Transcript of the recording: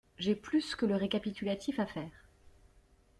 J'ai plus que le récapitulatif à faire.